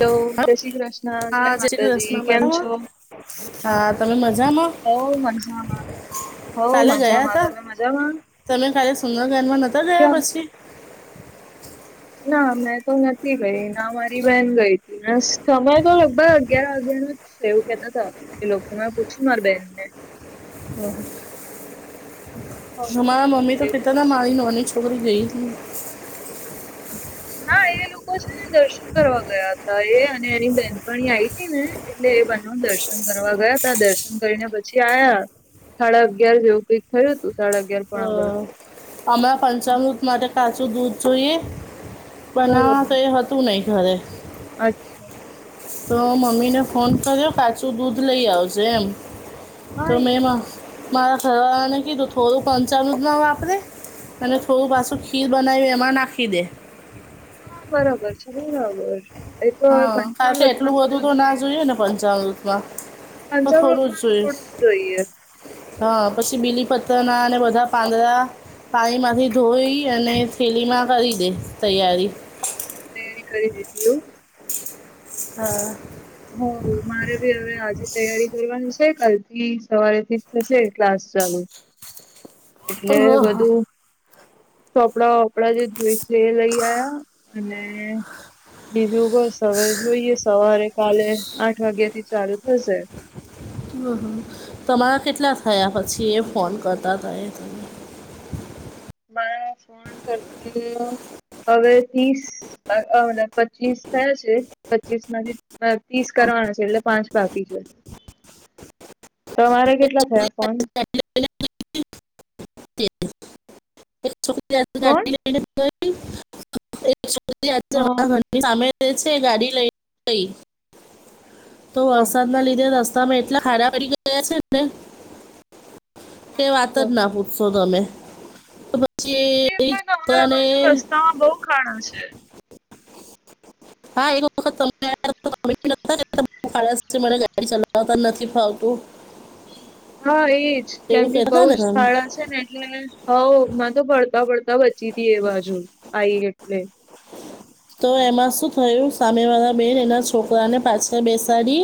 Hello હ, જય શ્રી કૃષ્ણ જય હાજ કે દિવસ માતાજી મેડ કેમ છો હા, તમે મજામાં? ઓ મજામાં. હો કાલે ગયા મજામાં. હતા તમે મજામાં તમે કાલે સુંદરકાંડમાં નહોતા ક? ગયા પછી ના મેં તો નથી ગઈ, ના મારી બહેન ગઈ હતી. સ સમમે તો લગભગ અગિયાર અગિારો જ છે, એવું કેતા હતા. એ લોકોનેં પૂછ્યું માર બેન ને. હોવ અરા મમ્મી તો પીતા એવું હતા, હતું મારી નોની. ટકરી ગઈ હતી. ના એ લોકો છે ને, દર્શન કરવા ગયા હતા, એ અને એની બેહેનપણી આ આવી હતી ને. એટલે એ બના દર્શન કરવા ગયા તા, દર્શન કરીને પછી આયા. સાડા અગિયાર જેવું કઈક થયું હતું, સાડા અગિયાર અ, પણ આર હમણાં પંચામૃત માટે કાચું દૂધ જોઈએ, બાર બનાવા બરોબર તો એ હતું. તું ન ખા [unintelligible] અચ્છા. તો મમ્મીને ફોન કર્યો, કાચું દૂધ લઈ આવજે એમ. હા તો એ મેં હા મારા ખરને કીધું, થોડું પાંચાટમાં વાપરે. અને થોડું પાછું ખીર બનાવી, એમાં નાખી દે. હા, બરાબર, ચાલ, બરાબર. એ તો હવે હા, કારા કે પંચામૃતમાં એટલું બધું થોડું તો જ ના જોઈએ જોયું ને, પંચામૃતમાં. હ, થોડું જ પંચામૃતમાં જોઈશ. થોડું જ જોઈએ હા, પછી બીલી પતર ના અને બધા પાંદડા. પાણીમાંથી ધોઈ અને થેલીમાં કરી દે તૈયારી. તે એણી કરી દીધી હો. હા. હ, મારે ભી હવે આજે તૈયારી. જોવાનું છે, તે કાલથી સવારેથી થશે ક્લાસ ચાલુ. એટલે ઓહો બધું ચોપડા વોપડા જે જોઈ સે, એ લઈ આયા. અને બીજું? બસ હવે, જોઈએ. સવારે કાલે આઠ વાગ્યા થી ચાલુ થશે. અમ્મ હ. તમારા કેટલા થયા પછી એ ફોન કરતા હતા એ. બસ ફોન કરતો. હવે તીસ, અ અન પચીસ થયા છે, પચીસ માંથી. પાંત્રીસ કરવાના છે, એટલે પાંચ બાકી છે. તમારે કેટલા તમે થયા પોન? [inaudible] તે છે, કોણ હા ગાડી લઈ ગઈ, તો હા વરસાદ ના લીધે રસ્ સ્તામા એટલા ખાડા પડી ગયા છે ને, કે વાત અચ્છા જ ના પૂ સોધોમે, તો બછી [inaudible] એને. ખણું છે. હા, એક વખત તમે આયા ને અમે બી અતા ને [unintelligible] ખા [inaudible] મા ગાડી ચલાવતા જ નથી ફાવતું. [inaudible] હા, એજ કેમ એવું કે બઉ કહેતા ને જ તમે ખાડા છે ને, એટલે હઉ માં તો પડતા પડ તવ જીતીએ એ બાજુ આઈ એટલે તો એમાં શું થયું? સામે વાયા બેન એના સોકયાને પાસય બેસાડી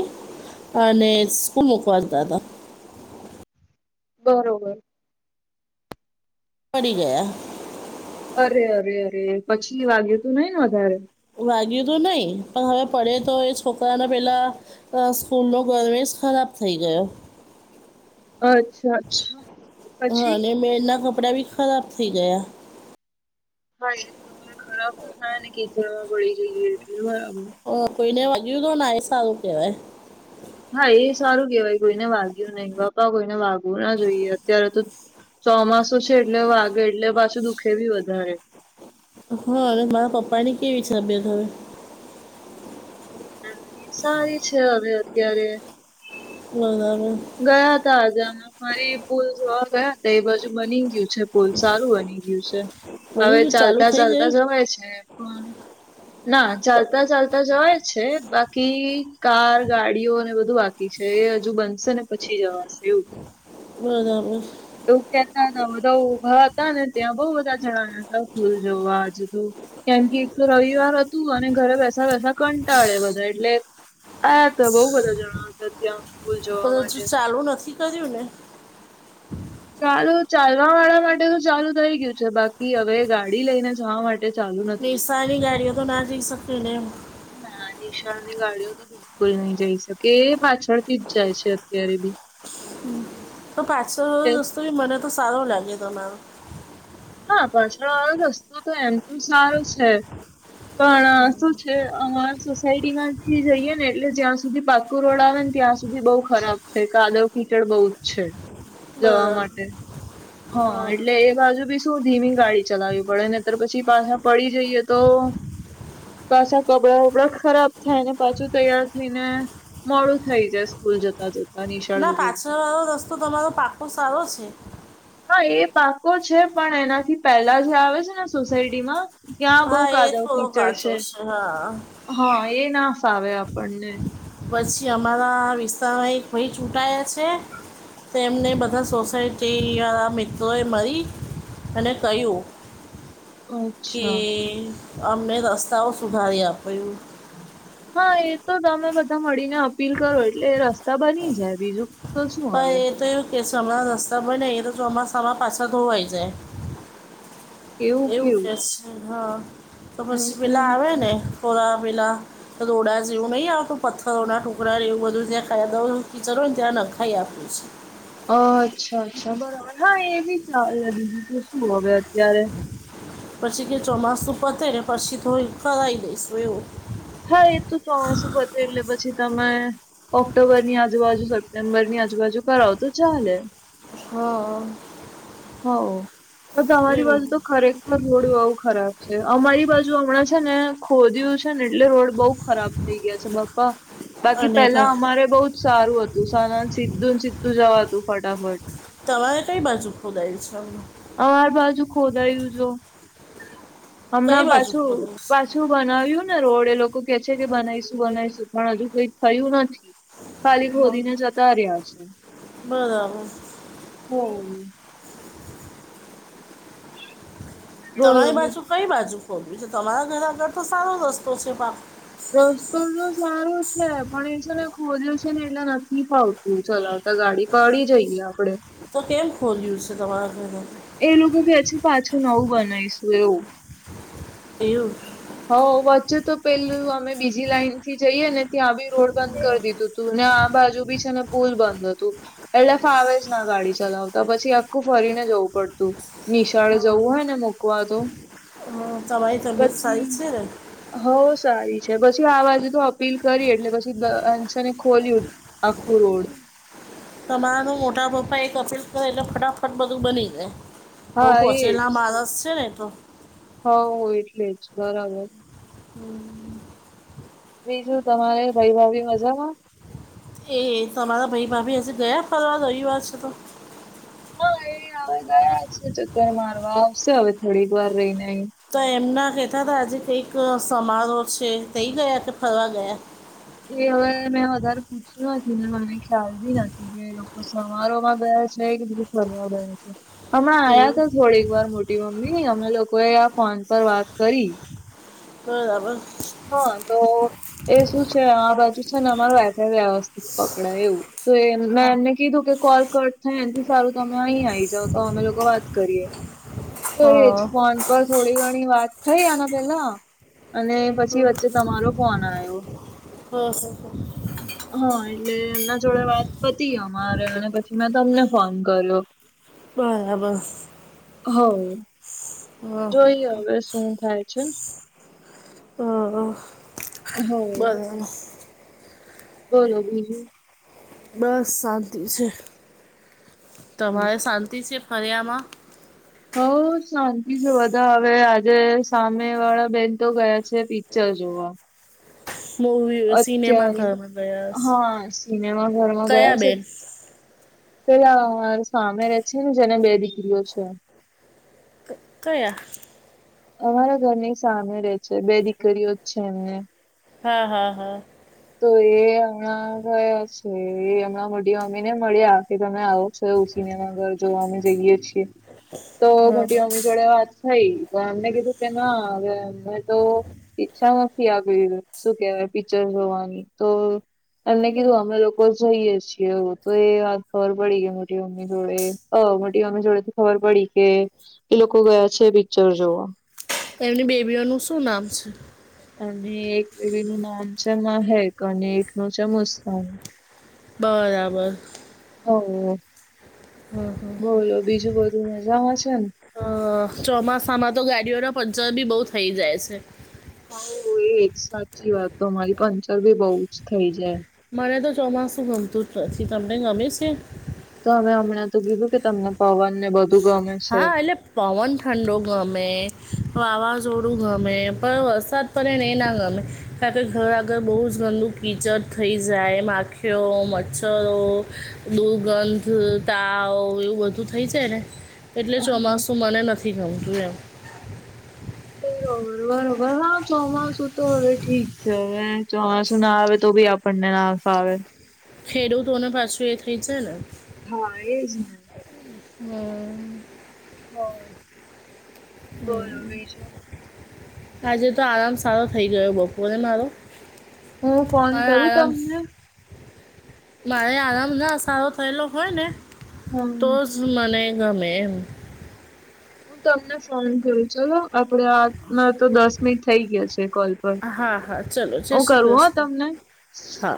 અને સ્કૂલ મૂકવા જતા હતા. બરોબર. પડી ગયા. અરે! અરે! અરે! પછી વાગ્યુ તું નઈ ને? વધારે. વાગ્યું તો નઈ. પય હવે, પડે તો એ છોકયાને પેલા અ સ્કૂલ નો ગયવેશ ખયાબ થઇ ગયો. અચ્છા, અચ્છા હા, પછી? અને બેનના કપડા બી ખયાબ થઈ ગયા. હા એતો, અવે ખરાબ તો થાય ને કે કીચળમાં પડી જઈએ એટલે બયાબ અ કોઈને વાગ્યું તો ના, એ સાયુ કેવાય. હા, એ સારું કેવાય. કોઈને વાગ્યું નઈ. બાપા કોઈને વાગવું ના જોઈએ અત્યારે તો ચોમાસું છે, એટલે વાગે એટલે પાછું દુઃખે બી વધારે. હ અવે માયા પપ્પા ની કેવી છે, અબિયત હવે? એમેય. સારી છે, હવે અત્યારે. બલાબલ. ગયા હતા, આજે અમે. મારી પુલ જોવા ગયા હતા. એ બાજુ બની ગીયુ છે. પુલ સારુ બની ગીયુ સે. બની હવે ગયું ચાલુ ચાલતા થઈ ગયું ચાલતા જવાય છે. પણ.... ના, ચાલતા ચાલતા જવાય છે. બાકી કાર, ગાડીઓને બધુ બા કી છે. એ અજુ બનસે ને પછી જવાસે એવું. બરાબર. એવું કેતા અતા બધા ઉભા હતા ને, ત્યાં બઉ બધા જણાયા હતા ભૂલ જોવા અજુ તો. કેમ કે, એક તો રવિવાર અતું અને ઘરે બેસા બેસા કંટાડે બધા એટલે આયા હતા. બઉ બધા જણા હતા ત્યાં. ફૂલ જોવા બધ અજુ માટે ચાલુ નથી કર્યું ને? ચાલુ ચાલવા વાળા માટે તો ચાલુ થઈ ગીયુ છે. બાકી હવે ગાડી લઈને જવા મા નિશાની ગાડીયો તો ના જીખ સકએ ને એમ. ના નિશાળની ગાડીઓ તો બિલકુલ નહી જઈ શકે એ પાછળથી જ જાય છે અત્યારે બી. તો પાંચસો રો દસ્તો મને તો સારો લાગે તોનારો. હા પાછળ વાળો રસ્તો તો એમ તો સારો છે. પણ શું છે અમારી સોસાયટી માંથી જઈએ ને એટલે જ્યાં ત્યાં સુધી પાકુ રોડ આવે ને ત્યાં સુધી બઉ ખરાબ છે કાદવ કીચડ બહુ જ છે. જવા બરાબર માટે, હા એટલે એ બાજુ જ છે. શું ધીમી ગાડી ચલાવવી પડે ને્યારે પછી પાછા પડી જઈએ તો પાછા કપડાં વપડા ખરાબ થાયને પાછું તૈયાર થઈ ને જવા પડે છે. મોડું થઇ જાય સ્કૂલ જતા જ. ના પાછળ વાળો રસ્તો તમારો પાકો સારો છે. હા એ પાકો છે પણ એનાથી પેલા જે આવે છે ને સોસાયટી માં. ત્યાં હા બહુ એ કાદાવ થોડો કીચર કાચો છે, હા હા એ ના ફાવે આપણને. પછી અમારા વિસ્તારમાં એક ભાઈ છુટાયા છે. તેમને બધા સોસાયટી યા મિત્રોએ મળી. તને કહ્યું. કે અચ્છા અમને રસ્તાઓ સુધારી આપ્યું. હા એ તો તમે બધા મળીને અપીલ કરો એટલે રસ્તા બની જાય બીજું. તો શું હવે હા તો એવું કે ચોમાસા મા રસ્તા બને એ તો ચોમાસામાં પાછા ધોવાય જાય છે. એવું કે છે હા, તો હમ પછી પેલા મને આવે ને થોડા વહેલા. રોડા હજુ ન આવ્યું? પથ્થરો ના ટુકડા એવું બધું જ્યાં કાવદ કીચરો હોય ને ત્યાં નખાઈ આપીશ. આ અચ્છા અચ્છા બરાબર હા એ બી ચાલે બીજું તો શું હવે અત્યારે. પછી કે ચોમાસું પતે એ પછી થોડી ફરાઈ દઈસું એવું. હા એ તોું ચોમાસું પતે એટલે પછી તમે ઓક્ટોબર ની આજુ બાજુ સપ્ટેમ્બર ની આજુ બાજુ કરાવો તો ચાલે. હા અ. હા, ઓ તો તમારી બાજુ તો એવું ખરેખર રોડ બહું ખરાબ છે અમારી બાજુ હમણાં જ છે ને ખોદીયું છે ને એટલે રોડ બહું ખરાબ છે. થઈ ગયા છે બપ્પા. બાકી અને પેલા ભાઈ અમારે બહું જ સારું હતું સારા સીધું સીધું જવાતુ હતું ફટાફટ. તમારે કઈ બાજુ ખોદાય છે? અમારા બાજુ ખોદાયું જેવું. કઈ હમણાં બાજુ ખોદાયું છે પાછું બનાવ્યું ને રોડે એ લોકો કે છે કે બનાવીશું બનાવીશું પણ હજુ કંઈક થયું નથી. ખાલી હમ, ખોદીને જતા રહ્યા છે. બરાબર. હમ. બોલો તમારી બી બાજુ કઈ બાજુ ખોદ્યું છે? તમારા ઘર આગળ તો સારો રસ્તો છે. રસ્તો તો સારો છે પણ એ છે ને ખોલ્યો છે ને એટલે નથી ફાવતું. તું ચલાવશ ગાડી તો પાડી જઈએ આપડે. તો કેમ ખોલ્યું છે તમારા ઘર? એ લોકો કેહે છે કે પાછું નવું બનાવીશું એવું. એવું જ. હ વચ્ચે તો પેલું અમે બીજી લાઈનથી જઈએ ને ત્યાં બી રોડ બંધ કરી દીધું હતું. હા ને આ બાજુ બી છે ને પુલ બંધ હતું. એટલે ફાવે જ ના ગાડી ચલાવતા પછી આખું ફરીને જવું પડતું. નિશાળે જવું હોયને મૂકવા તો. અમ, તમારી તબિયત સારી છે ને? હવે સારી છે પછી આ બાજુ તો અપીલ કરી એટલે પછી અંશને ખોલ્યું. આખું રોડ. તમારા મોટા પપ્પા એક અપીલ કરે એટલે ફટાફટ બધું બની જાય. બહુ હા પહોંચેલા માણસ છે ને તો. હ એટલે જ બરાબર. હમ. બીજું તમારે ભાઈભાભી મજામાં? એ તમારા ભાઈ ભાભી હજુ ગયા ફરવા રવિવાર છે તો? ચક્કર મારવા આવશે હવે થોડીક વાર રહીને. તો એમના કહેતા હતા આજે કંઈક સમારોહ છે તેઈ ગયા કે ફરવા ગયા? એ હવે મેં વધારે પૂછ્યું નથી ને મને ખ્યાલ બી નથી કે એ લોકો સમારોહમાં ગયા છે કે બીજ ફરવા ગયા છે. હમણાં આ યા તો એવું થોડીક વાર મોટી મમ્મી અમે લોકોએ આ ફોન પર વાત કરી. બરાબર. હા તો એ શું છે આ બાજુ છે ને અમાર વાઇફાઇ વ્યવસ્થિત પકડાય એવું. તો એ ના કીધું કે કોલ કટ થાય એથી સારું તમે અહી આવી જાવ તો અમે લોકો વાત કરીએ. તો એજ ફોન પર થોડી ઘણી વાત થઈ આના પેલા, અને પ પછી વચ્ચે તમારો ફોન આવ્યો. હ હ [unintelligible] હા એટલે એમના જોડે વાત પતી અમારે અને પછી મેં તમને ફોન કર્યો. [inaudible] બરાબર. હવ, હમ, જોઈએ હવે શું થાય છે. હ હ, બરાબર. બોલો બીજું? બસ શાંતિ છે, તમારે શાંતિ છે ફર્યામાં? હઉ શાંતિ છે બધા હવે આજે સામે વાળા બેન તો ગયા છે પિક્ચર જોવા. મૂવી અત્યારે, સિનેમાઘરમાં ગયા હશે. હા સિનેમા ઘરમાં કયા ગયા છે. બેન [inaudible] પેલા સામે રે છે ને જેને બે દીકરીઓ છે. ક- કયા? અમારા ઘરની સામે રહે છે બે દીકરીઓ જ છે એમને. હા હા હા. તો એ હમણાં ગયા છે હમણાં મોટી મમ્મી ને મળ્યા. કે તમે આવો છો ઉસીનેના ઘર જોવા અમે જઈએ છીએ, તો મોટી મમ્મી જોડે વાત ભઈ પણ અમને કીધું કે ના અમે તો ઈચ્છા શું કેવાય પિક્ચર જોવાની તો, એમને કીધું અમે લોકો જઈએ છીએ હ તો એ વાત ખબર પડી ગઈ મોટીમ જોડે અ મોટી મમ્મી જોડે થી ખબર પડી કે, એ લોકો ગયા છે પિક્ચર જોવા. એમની બેબીઓનું શું નામ છે? અને એક બેબી નું નામ છે, મહેક અને એકનું છે મુસ્કાન. બરાબર. હ, બોલો બીજું, બધું મજામાં છે ને? અ ચોમાસામાં તો ગાડીઓના પંચર બી બહુ થઇ જાય છે. હ, એજ સાચી વાત, તો તમારી પંચર ભી બહુ જ થઇ જાય. મને તો ચોમાસું ગમતું જ નથી, તમને ગમે છે? તો અમે હમણાં તો કીધું કે, તમને પવન ને બધું ગમે છે. હા, એટલે પવન ઠંડો ગમે, વાવાઝોડું ગમે, પણ વરસાત પણ એ એ ના ગમે કારણ કે, ઘર આગળ બહુ જ ગંદુ કીચડ થઈ જાય, એમ આખી યો મચ્છરો, દુર્ગંધ, તાવ એવું બધું થઈ જાય ને. એટલે ચોમાસું મને નથી ગમતું એમ. બરોબર, બરોબર, હા, ચોમાસું તો હવે ઠીક છે, હવે ચોમાસું ના આવે તો ભી આપ. પને ના ફ આવે. ખેડૂતોને પાછું એ થઈ જ ને. હા, એજ ને. હમ. હ, બોલો બીજું. આજે તો આરામ સારો થઇ ગયો, બપોરે ને મારો. હું ફોન પણ કરું આરામ. તમને? મારે આરામ ના સારો થયેલો હોય ને, હમ તો મને ગમે. હું તમને ફોન કરું, ચલો આપડે આતમાં તો દસ મિનિટ થઈ ગયા છે. કોલ પર હા હા ચલો જય હું શ્રી કરું હો કૃષ્ણ તમને? હા